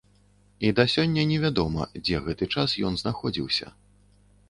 І да сёння невядома, дзе гэты час ён знаходзіўся.